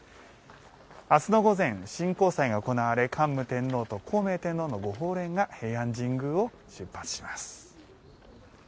明日の午前、神幸列が行われ桓武天皇と孝明天皇の御鳳輦が平安神宮を出発します。